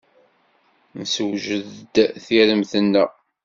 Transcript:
Nessewjed-d tiremt-nneɣ.